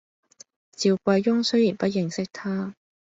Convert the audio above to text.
趙貴翁雖然不認識他，